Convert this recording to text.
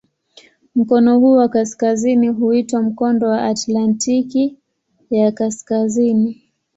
Mkono huu wa kaskazini huitwa "Mkondo wa Atlantiki ya Kaskazini".